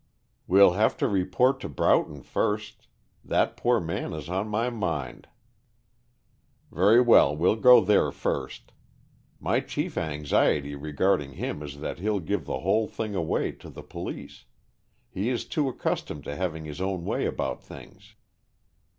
"We'll have to report to Broughton first. That poor man is on my mind." "Very well, we'll go there first. My chief anxiety regarding him is that he'll give the whole thing away to the police. He is too accustomed to having his own way about things."